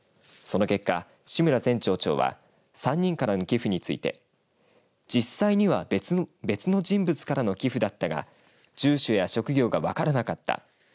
その結果、志村前町長は３人からの寄付について実際には別の人物からの寄付だったが住所や職業が分からなかった。